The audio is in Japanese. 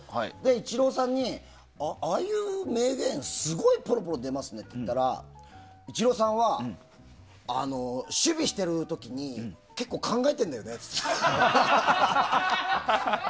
イチローさんに、ああいう名言すごいポロポロ出ますねって言ったらイチローさんは守備してる時に結構、考えてるんだよねって。